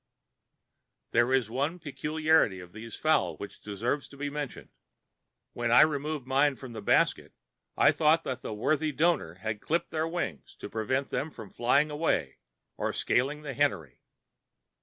There is one peculiarity of these fowls which deserves to be mentioned. When I removed mine from the basket I thought that the worthy donor had clipped their wings to prevent them from flying away or scaling the hennery.